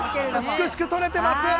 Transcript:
◆美しく撮れてます。